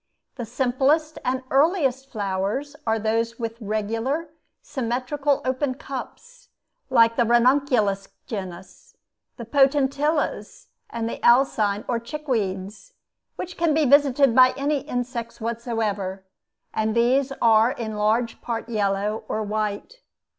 The simplest and earliest flowers are those with regular, symmetrical open cups, like the Ranunculus genus, the Potentillas, and the Alsine or chickweeds, which can be visited by any insects whatsoever; and these are in large part yellow or white.